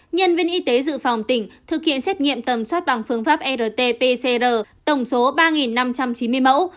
nhân viên y tế dự phòng tỉnh thực hiện xét nghiệm tầm soát bằng phương pháp rt pcr tổng số ba năm trăm chín mươi mẫu